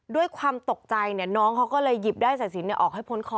ด้วยความตกใจน้องเขาก็เลยหยิบได้สายสินออกให้พ้นคอ